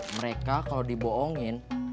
mereka kalau dibohongin